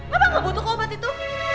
mama gak butuh obat itu